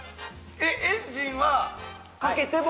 えっ、エンジンかけ。